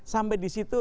sampai di situ